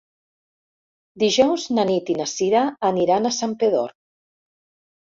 Dijous na Nit i na Cira aniran a Santpedor.